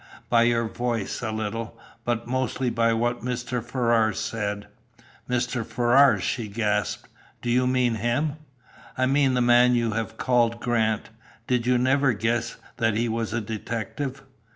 "By your voice, a little, but mostly by what Mr. Ferrars said." "Mr. Ferrars!" she gasped. "Do you mean him?" "I mean the man you have called Grant. Did you never guess that he was a detective?"